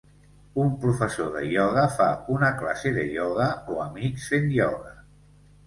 Un professor de ioga fa una classe de ioga o amics fent ioga.